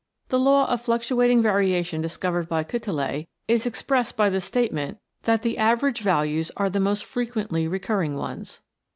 The Law of Fluctuating Variation discovered by Quetelet is expressed by the statement that the average values are the most frequently recurring ones.